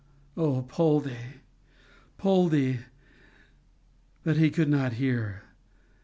Oh Poldie! Poldie! But he could not hear!